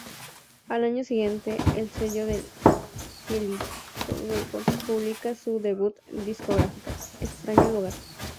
Al año siguiente el sello Del Cielito Records publica su debut discográfico: Extraño Lugar.